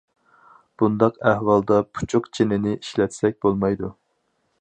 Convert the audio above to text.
بۇنداق ئەھۋالدا پۇچۇق چىنىنى ئىشلەتسەك بولمايدۇ.